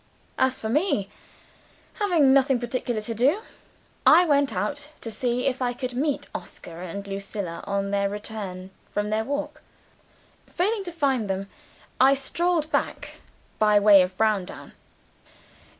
As for me, having nothing particular to do, I went out to see if I could meet Oscar and Lucilla on their return from their walk. Failing to find them, I strolled back by way of Browndown.